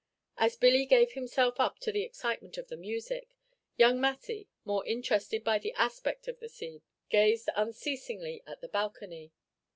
As Billy gave himself up to the excitement of the music, young Massy, more interested by the aspect of the scene, gazed unceasingly at the balcony.